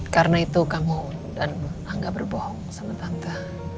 karena itu kamu dan angga berbohong sama tante